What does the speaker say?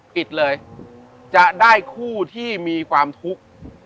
ปิดเลยจะได้คู่ที่มีความทุกข์